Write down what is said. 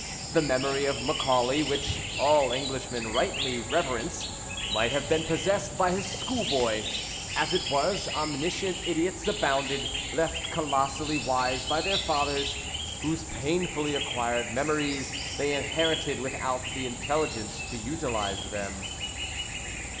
The memory of Macaulay, which all Englishmen rightly reverence, might have been possessed by his schoolboy. As it was, omniscient idiots abounded, left colossally wise by their fathers, whose painfully acquired memories they inherited without the intelligence to utilise them.